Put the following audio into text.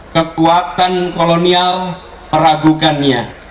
kekuatan kolonial meragukannya